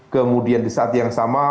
kemudian di saat yang sama